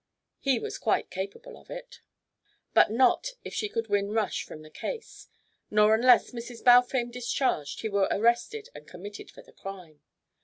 He was quite capable of it. But not if she could win Rush from the case, nor unless, Mrs. Balfame discharged, he were arrested and committed for the crime.